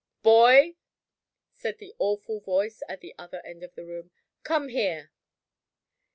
"Boy!" said the awful voice at the other end of the room. "Come here."